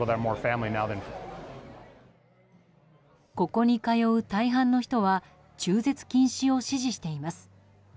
ここに通う大半の人は中絶禁止を支持しています。